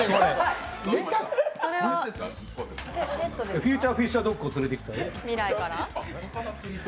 フューチャーフィッシャードッグを連れてきたよ。